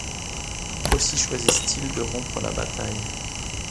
Aussi, choisissent-ils de rompre la bataille.